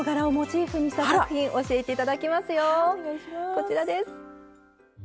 こちらです。